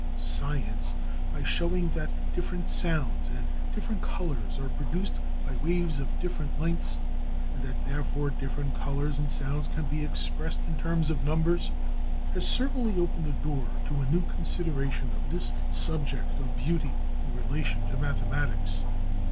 Science, by showing that different sounds and different colours are produced by waves of different lengths, and that therefore different colours and sounds can be expressed in terms of numbers, has certainly opened the door to a new consideration of this subject of beauty in relation to mathematics.